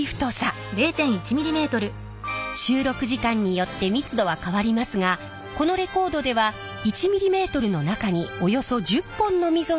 収録時間によって密度は変わりますがこのレコードでは１ｍｍの中におよそ１０本の溝が彫られています。